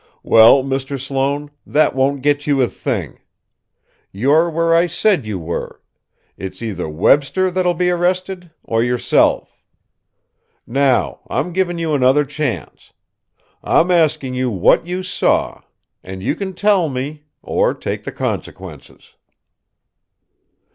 Well, Mr. Sloane, that won't get you a thing! You're where I said you were: it's either Webster that will be arrested or yourself! Now, I'm giving you another chance. I'm asking you what you saw; and you can tell me or take the consequences!"